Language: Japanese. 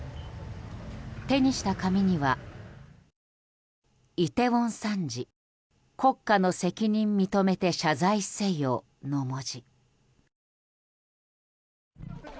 手にした紙には「イテウォン惨事国家の責任認めて謝罪せよ」の文字。